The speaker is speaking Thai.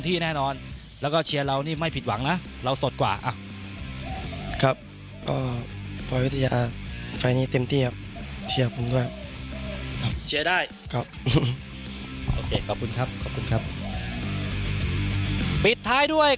ฉันรับใจมามือทุกลูกเขาตาม